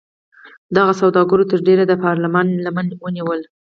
دغو سوداګرو تر ډېره د پارلمان لمن ونیوله.